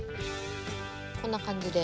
こんな感じで？